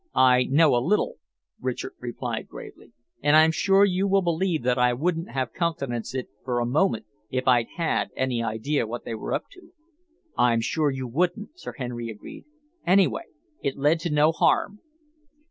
"I know a little," Richard replied gravely, "and I'm sure you will believe that I wouldn't have countenanced it for a moment if I'd had any idea what they were up to." "I'm sure you wouldn't," Sir Henry agreed. "Anyway, it led to no harm."